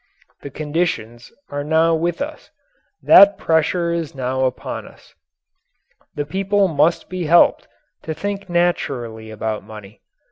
These conditions are now with us; that pressure is now upon us. The people must be helped to think naturally about money.